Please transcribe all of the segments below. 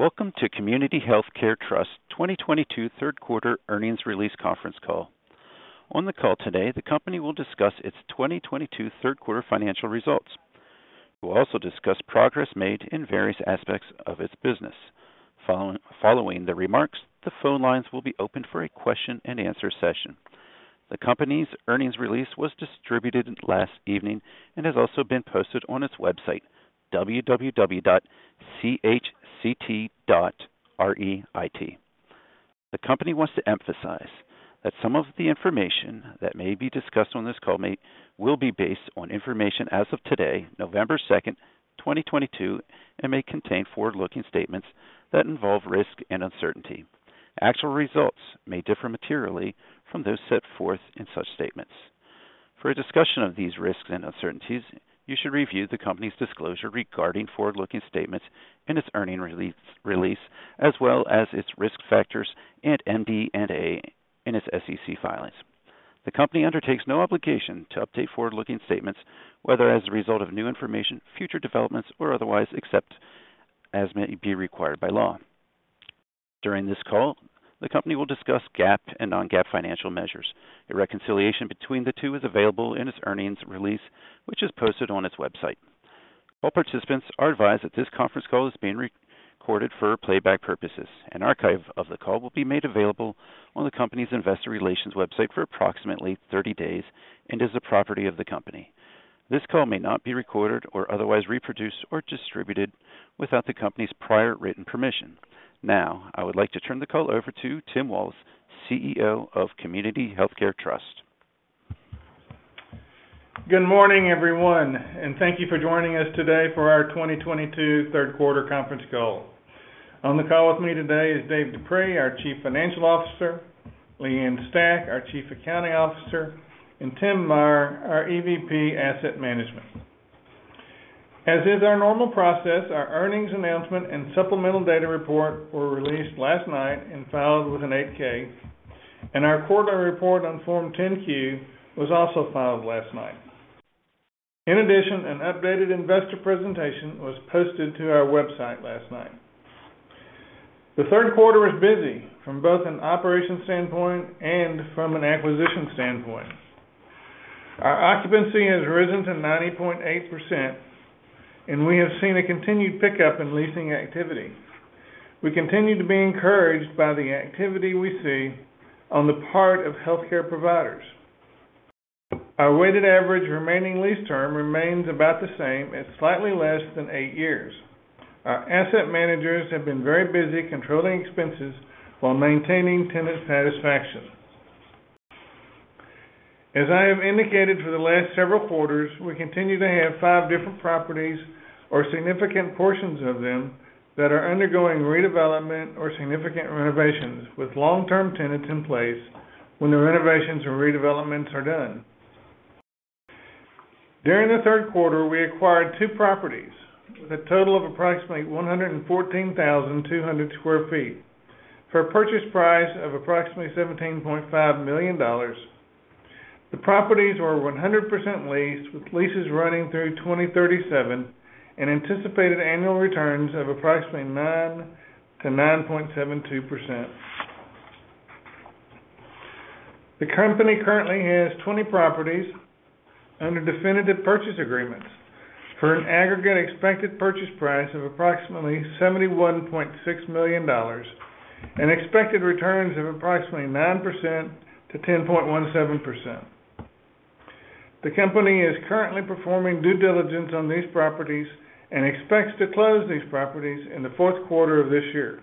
Welcome to Community Healthcare Trust 2022 third quarter earnings release conference call. On the call today, the company will discuss its 2022 third quarter financial results. We'll also discuss progress made in various aspects of its business. Following the remarks, the phone lines will be open for a question-and-answer session. The company's earnings release was distributed last evening and has also been posted on its website, www.chct.reit. The company wants to emphasize that some of the information that may be discussed on this call will be based on information as of today, November 2nd, 2022, and may contain forward-looking statements that involve risk and uncertainty. Actual results may differ materially from those set forth in such statements. For a discussion of these risks and uncertainties, you should review the company's disclosure regarding forward-looking statements in its earnings release, as well as its risk factors at MD&A in its SEC filings. The company undertakes no obligation to update forward-looking statements, whether as a result of new information, future developments, or otherwise, except as may be required by law. During this call, the company will discuss GAAP and Non-GAAP financial measures. A reconciliation between the two is available in its earnings release, which is posted on its website. All participants are advised that this conference call is being re-recorded for playback purposes. An archive of the call will be made available on the company's investor relations website for approximately 30 days and is the property of the company. This call may not be recorded or otherwise reproduced or distributed without the company's prior written permission. Now, I would like to turn the call over to Tim Wallace CEO of Community Healthcare Trust. Good morning, everyone, and thank you for joining us today for our 2022 third quarter conference call. On the call with me today is Dave Dupuy, our Chief Financial Officer, Leigh Ann Stach, our Chief Accounting Officer, and Tim Meyer, our EVP, Asset Management. As is our normal process, our earnings announcement and supplemental data report were released last night and filed with an 8-K, and our quarterly report on Form 10-Q was also filed last night. In addition, an updated investor presentation was posted to our website last night. The third quarter was busy from both an operations standpoint and from an acquisition standpoint. Our occupancy has risen to 90.8%, and we have seen a continued pickup in leasing activity. We continue to be encouraged by the activity we see on the part of healthcare providers. Our weighted average remaining lease term remains about the same at slightly less than eight years. Our asset managers have been very busy controlling expenses while maintaining tenant satisfaction. As I have indicated for the last several quarters, we continue to have five different properties or significant portions of them that are undergoing redevelopment or significant renovations with long-term tenants in place when the renovations or redevelopments are done. During the third quarter, we acquired two properties with a total of approximately 114,200 sq ft for a purchase price of approximately $17.5 million. The properties are 100% leased with leases running through 2037 and anticipated annual returns of approximately 9%-9.72%. The company currently has 20 properties under definitive purchase agreements for an aggregate expected purchase price of approximately $71.6 million and expected returns of approximately 9%-10.17%. The company is currently performing due diligence on these properties and expects to close these properties in the fourth quarter of this year.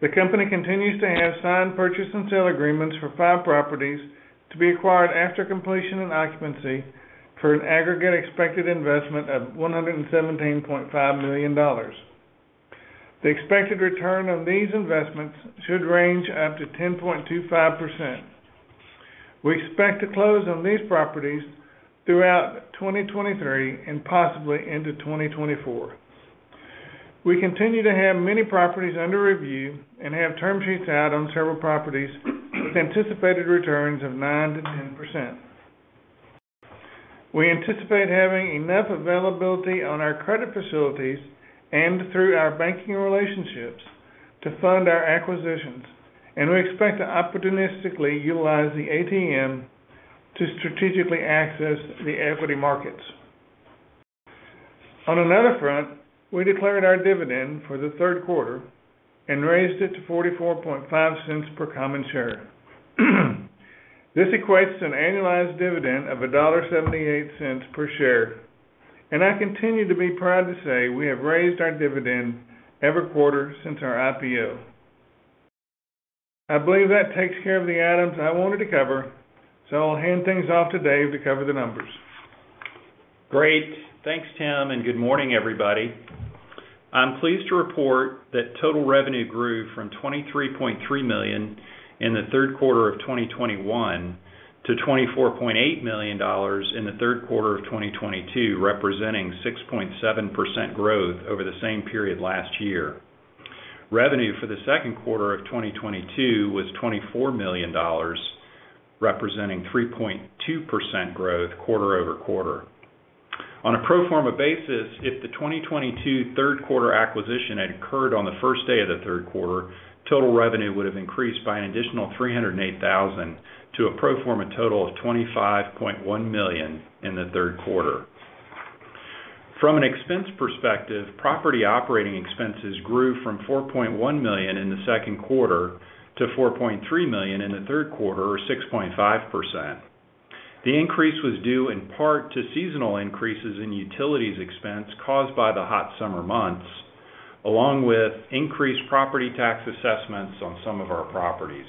The company continues to have signed purchase and sale agreements for five properties to be acquired after completion and occupancy for an aggregate expected investment of $117.5 million. The expected return on these investments should range up to 10.25%. We expect to close on these properties throughout 2023 and possibly into 2024. We continue to have many properties under review and have term sheets out on several properties with anticipated returns of 9%-10%. We anticipate having enough availability on our credit facilities and through our banking relationships to fund our acquisitions, and we expect to opportunistically utilize the ATM to strategically access the equity markets. On another front, we declared our dividend for the third quarter and raised it to $0.445 per common share. This equates to an annualized dividend of $1.78 per share, and I continue to be proud to say we have raised our dividend every quarter since our IPO. I believe that takes care of the items I wanted to cover, so I'll hand things off to Dave to cover the numbers. Great. Thanks, Tim, and good morning, everybody. I'm pleased to report that total revenue grew from $23.3 million in the third quarter of 2021 to $24.8 million in the third quarter of 2022, representing 6.7% growth over the same period last year. Revenue for the second quarter of 2022 was $24 million, representing 3.2% growth quarter-over-quarter. On a pro forma basis, if the 2022 third quarter acquisition had occurred on the first day of the third quarter, total revenue would have increased by an additional $308 thousand to a pro forma total of $25.1 million in the third quarter. From an expense perspective, property operating expenses grew from $4.1 million in the second quarter to $4.3 million in the third quarter, or 6.5%. The increase was due in part to seasonal increases in utilities expense caused by the hot summer months, along with increased property tax assessments on some of our properties.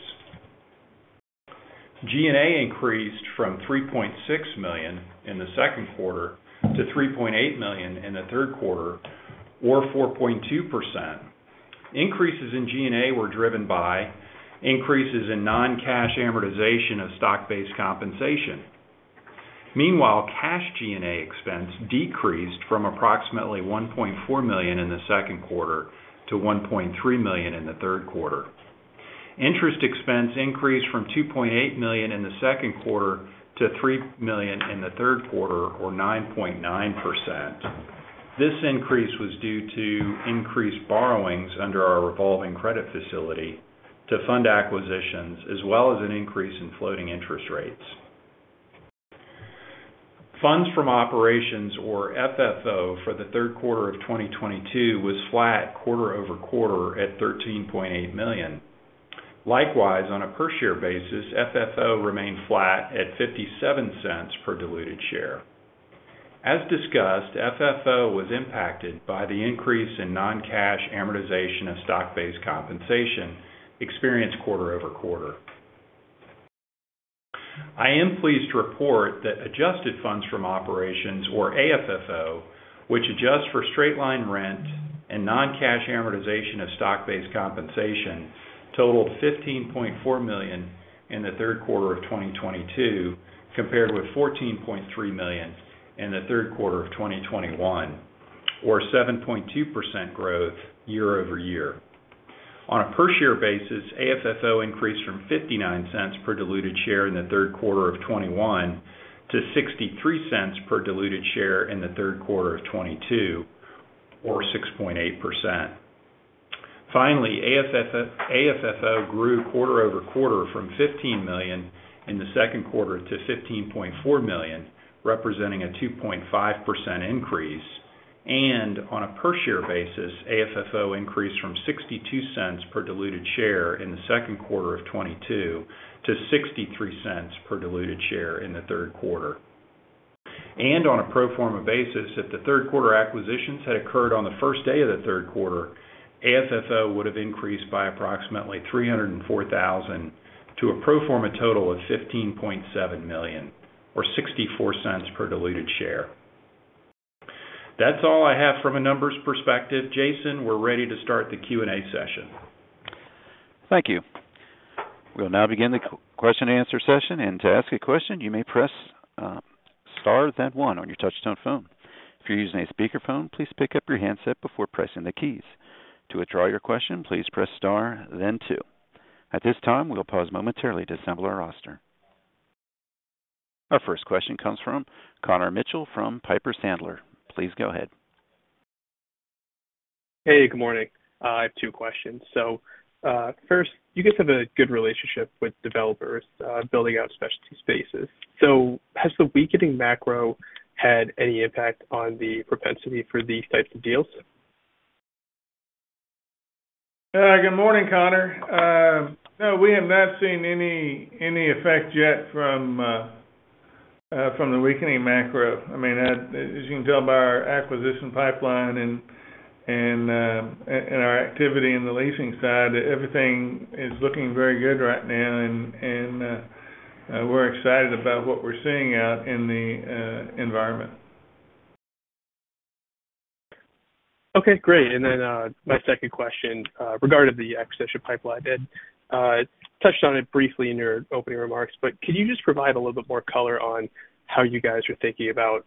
G&A increased from $3.6 million in the second quarter to $3.8 million in the third quarter, or 4.2%. Increases in G&A were driven by increases in non-cash amortization of stock-based compensation. Meanwhile, cash G&A expense decreased from approximately $1.4 million in the second quarter to $1.3 million in the third quarter. Interest expense increased from $2.8 million in the second quarter to $3 million in the third quarter, or 9.9%. This increase was due to increased borrowings under our revolving credit facility to fund acquisitions, as well as an increase in floating interest rates. Funds from operations, or FFO, for the third quarter of 2022 was flat quarter-over-quarter at $13.8 million. Likewise, on a per-share basis, FFO remained flat at $0.57 per diluted share. As discussed, FFO was impacted by the increase in non-cash amortization of stock-based compensation experienced quarter-over-quarter. I am pleased to report that adjusted funds from operations, or AFFO, which adjusts for straight-line rent and non-cash amortization of stock-based compensation, totaled $15.4 million in the third quarter of 2022, compared with $14.3 million in the third quarter of 2021, or 7.2% growth year-over-year. On a per-share basis, AFFO increased from $0.59 per diluted share in the third quarter of 2021 to $0.63 per diluted share in the third quarter of 2022, or 6.8%. Finally, AFFO grew quarter-over-quarter from $15 million in the second quarter to $15.4 million, representing a 2.5% increase. On a per-share basis, AFFO increased from $0.62 per diluted share in the second quarter of 2022 to $0.63 per diluted share in the third quarter. On a pro forma basis, if the third quarter acquisitions had occurred on the first day of the third quarter, AFFO would have increased by approximately $304,000 to a pro forma total of $15.7 million or $0.64 per diluted share. That's all I have from a numbers perspective. Jason, we're ready to start the Q&A session. Thank you. We'll now begin the question and answer session. To ask a question, you may press star then one on your touch-tone phone. If you're using a speakerphone, please pick up your handset before pressing the keys. To withdraw your question, please press star then two. At this time, we'll pause momentarily to assemble our roster. Our first question comes from Connor Mitchell from Piper Sandler. Please go ahead. Hey, good morning. I have two questions. First, you guys have a good relationship with developers, building out specialty spaces. Has the weakening macro had any impact on the propensity for these types of deals? Good morning, Connor. No, we have not seen any effect yet from the weakening macro. I mean, as you can tell by our acquisition pipeline and our activity in the leasing side, everything is looking very good right now and we're excited about what we're seeing out in the environment. Okay, great. My second question regarded the acquisition pipeline. Touched on it briefly in your opening remarks, but could you just provide a little bit more color on how you guys are thinking about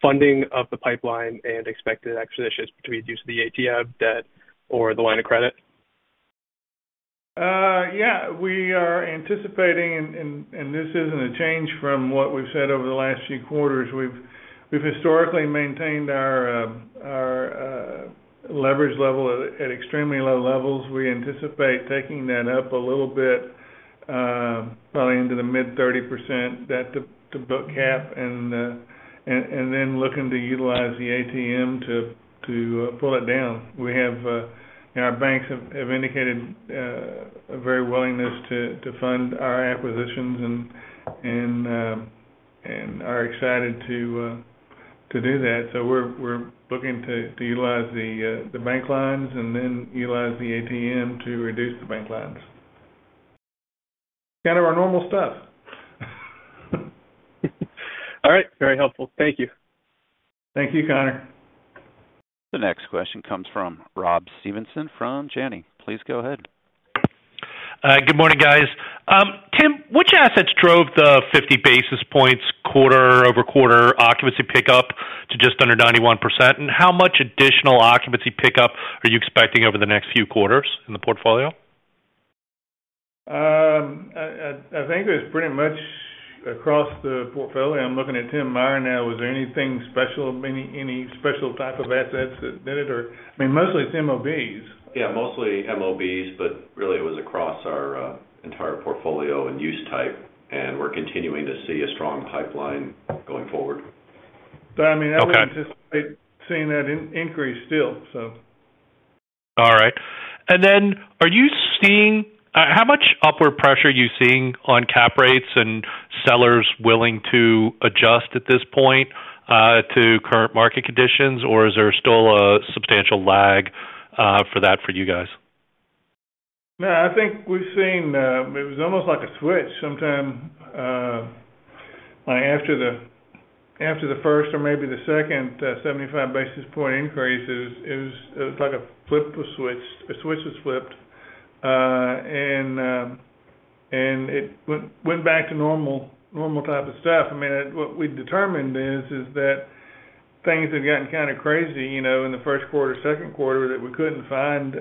funding of the pipeline and expected acquisitions between use of the ATM debt or the line of credit? We are anticipating, and this isn't a change from what we've said over the last few quarters. We've historically maintained our leverage level at extremely low levels. We anticipate taking that up a little bit, probably into the mid-30% debt-to-book cap and then looking to utilize the ATM to pull it down. We have and our banks have indicated a willingness to fund our acquisitions and are excited to do that. We're looking to utilize the bank lines and then utilize the ATM to reduce the bank lines. Kind of our normal stuff. All right. Very helpful. Thank you. Thank you, Connor. The next question comes from Rob Stevenson from Janney. Please go ahead. Good morning, guys. Tim, which assets drove the 50 basis points quarter-over-quarter occupancy pickup to just under 91%? How much additional occupancy pickup are you expecting over the next few quarters in the portfolio? I think it's pretty much across the portfolio. I'm looking at Tim Meyer now. Was there anything special, any special type of assets that did it? Or, I mean, mostly it's MOBs. Yeah, mostly MOBs, but really it was across our entire portfolio and use type, and we're continuing to see a strong pipeline going forward. I mean. Okay. I would anticipate seeing that increase still, so. All right. How much upward pressure are you seeing on cap rates and sellers willing to adjust at this point, to current market conditions, or is there still a substantial lag, for that for you guys? No, I think we've seen. It was almost like a switch sometime, like after the first or maybe the second 75 basis point increases. It was like a flip was switched, a switch was flipped. It went back to normal type of stuff. I mean, what we've determined is that things had gotten kind of crazy, you know, in the first quarter, second quarter that we couldn't find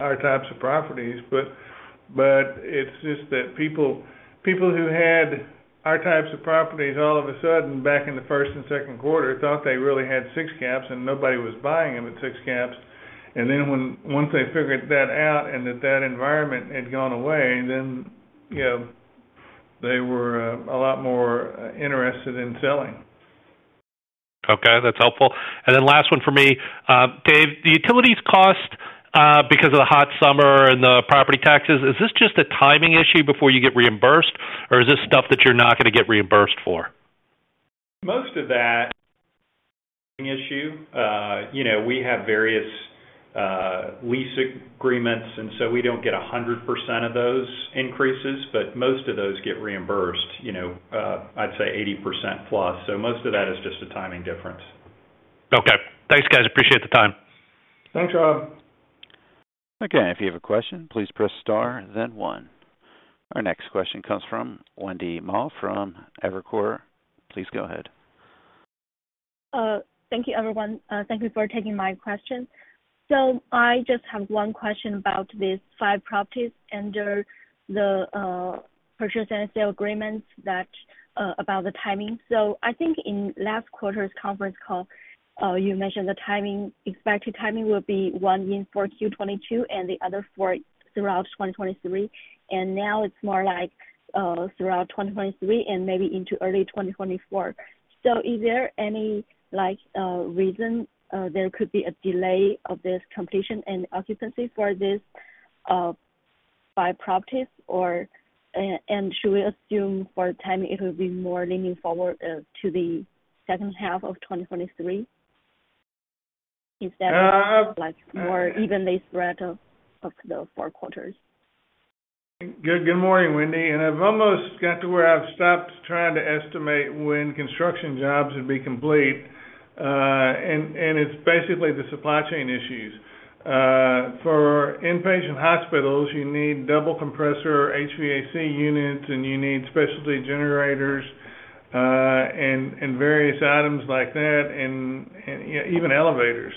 our types of properties. It's just that people who had our types of properties all of a sudden back in the first and second quarter thought they really had six caps and nobody was buying them at six caps. Once they figured that out and that environment had gone away, then, you know, they were a lot more interested in selling. Okay, that's helpful. Then last one for me. Dave, the utilities cost, because of the hot summer and the property taxes, is this just a timing issue before you get reimbursed, or is this stuff that you're not gonna get reimbursed for? Most of that issue, you know, we have various lease agreements, and so we don't get 100% of those increases, but most of those get reimbursed, you know, I'd say 80% plus. Most of that is just a timing difference. Okay. Thanks, guys, appreciate the time. Thanks, Rob. Okay. If you have a question, please press star then one. Our next question comes from Wendy Ma from Evercore. Please go ahead. Thank you, everyone. Thank you for taking my question. I just have one question about these five properties under the purchase and sale agreements about the timing. I think in last quarter's conference call, you mentioned the timing, expected timing will be one in 4Q 2022 and the other four throughout 2023, and now it's more like throughout 2023 and maybe into early 2024. Is there any like reason there could be a delay of this completion and occupancy for this five properties or. And should we assume for the timing it will be more leaning forward to the second half of 2023 instead of- Uh- Like more evenly spread of the four quarters? Good morning, Wendy Ma. I've almost got to where I've stopped trying to estimate when construction jobs would be complete, and it's basically the supply chain issues. For inpatient hospitals, you need double compressor HVAC units, and you need specialty generators, and various items like that and even elevators.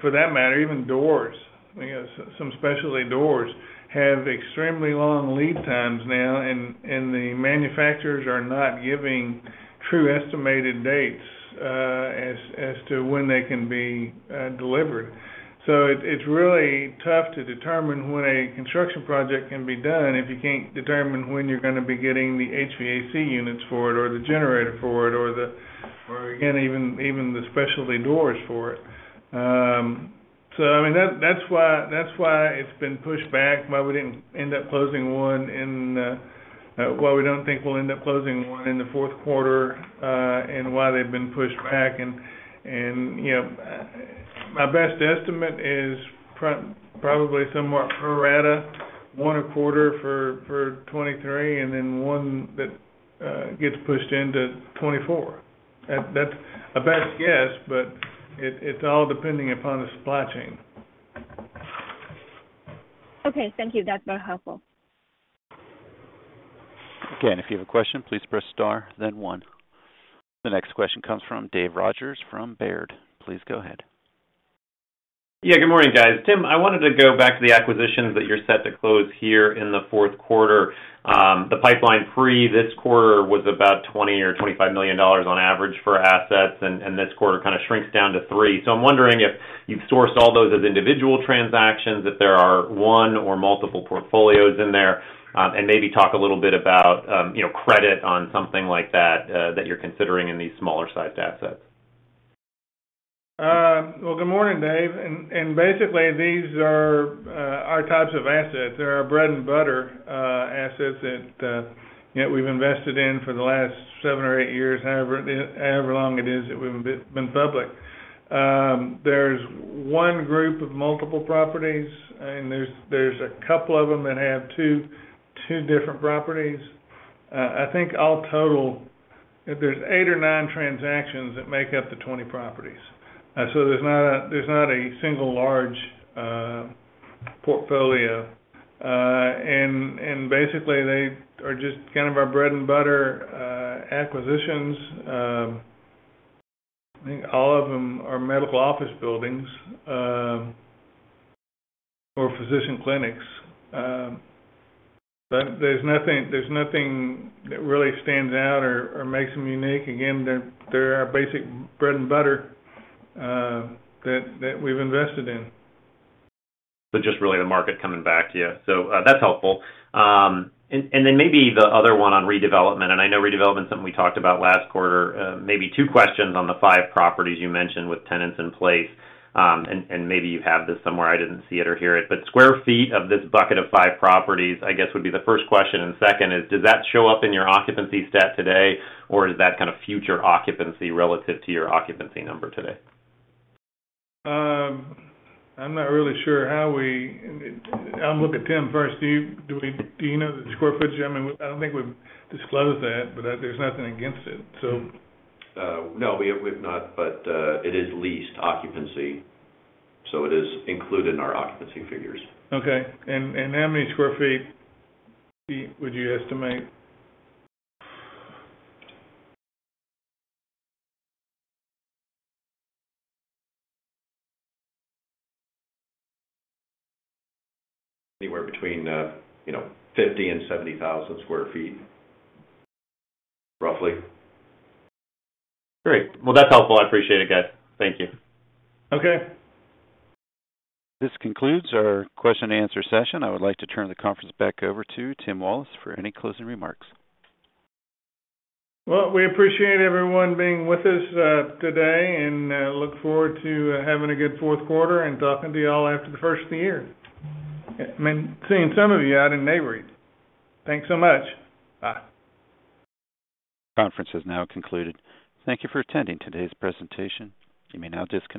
For that matter, even doors. I mean, some specialty doors have extremely long lead times now, and the manufacturers are not giving true estimated dates as to when they can be delivered. It's really tough to determine when a construction project can be done if you can't determine when you're gonna be getting the HVAC units for it or the generator for it or again, even the specialty doors for it. I mean, that's why it's been pushed back, why we didn't end up closing one in, why we don't think we'll end up closing one in the fourth quarter, and why they've been pushed back. You know, my best estimate is probably somewhat pro rata, one a quarter for 2023 and then one that gets pushed into 2024. That's a best guess, but it's all depending upon the supply chain. Okay, thank you. That's very helpful. Again, if you have a question, please press star then one. The next question comes from David Rodgers from Baird. Please go ahead. Yeah, good morning, guys. Tim, I wanted to go back to the acquisitions that you're set to close here in the fourth quarter. The pipeline for this quarter was about $20-$25 million on average for assets, and this quarter kind of shrinks down to three. I'm wondering if you've sourced all those as individual transactions, if there are one or multiple portfolios in there, and maybe talk a little bit about, you know, credit on something like that you're considering in these smaller sized assets. Good morning, Dave. Basically these are our types of assets. They're our bread and butter assets that you know, we've invested in for the last seven or eight years, however long it is that we've been public. There's one group of multiple properties, and there's a couple of them that have two different properties. I think all total, if there's eight or nine transactions that make up the 20 properties. So there's not a single large portfolio. Basically, they are just kind of our bread and butter acquisitions. I think all of them are medical office buildings or physician clinics. But there's nothing that really stands out or makes them unique. Again, they're our basic bread and butter, that we've invested in. Just really the market coming back to you. That's helpful. Maybe the other one on redevelopment, and I know redevelopment is something we talked about last quarter. Maybe two questions on the five properties you mentioned with tenants in place. Maybe you have this somewhere, I didn't see it or hear it. Sq ft of this bucket of five properties, I guess would be the first question. Second is, does that show up in your occupancy stat today, or is that kind of future occupancy relative to your occupancy number today? I'll look at Tim first. Do you know the square footage? I mean, I don't think we've disclosed that, but there's nothing against it, so. No, we have not, but it is leased occupancy, so it is included in our occupancy figures. Okay. How many square feet would you estimate? Anywhere between, you know, 50,000-70,000 sq ft, roughly. Great. Well, that's helpful. I appreciate it, guys. Thank you. Okay. This concludes our question and answer session. I would like to turn the conference back over to Tim Wallace for any closing remarks. Well, we appreciate everyone being with us today, and look forward to having a good fourth quarter and talking to you all after the first of the year. I mean, seeing some of you out in Nareit. Thanks so much. Bye. Conference has now concluded. Thank you for attending today's presentation. You may now disconnect.